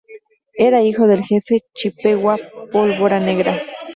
Era hijo del jefe chippewa Pólvora Negra.